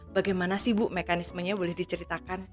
bagaimana sih bu mekanismenya boleh diceritakan